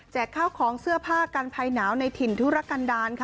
ข้าวของเสื้อผ้ากันภายหนาวในถิ่นธุรกันดาลค่ะ